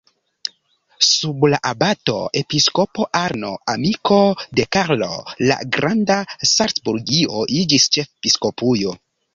Sub la abato-episkopo Arno, amiko de Karlo la Granda, Salcburgio iĝis ĉefepiskopujo.